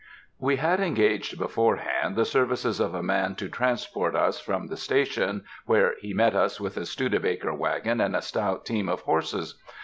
We had engaged beforehand the services of a man to transport us from the station, where he met us with a Studebaker wagon and a stout team of horses.